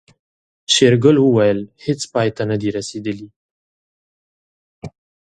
شېرګل وويل هيڅ پای ته نه دي رسېدلي.